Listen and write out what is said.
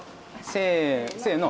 せの。